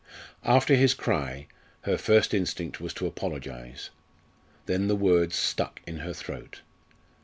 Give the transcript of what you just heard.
After his cry, her first instinct was to apologise. Then the words stuck in her throat.